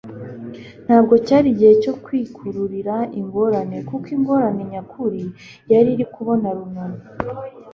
Ntabwo cyari igihe cyo kwikururira ingorane kuko ingorane nyakuri yari iri kuboga runono.